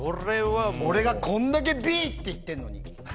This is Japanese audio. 俺がこれだけＢって言ってるのに。